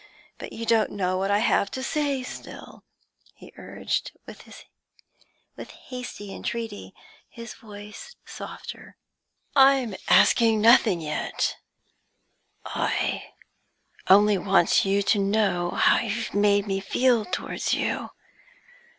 But you don't know what I have to say still,' he urged, with hasty entreaty, his voice softer. 'I'm asking nothing yet; I only want you to know how you've made me feel towards you.